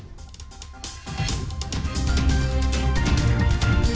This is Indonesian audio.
dan nanti akan kita lihat